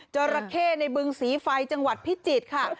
เจอระเคในบึงสีไฟจังหวัดพิจิตย์ค่ะ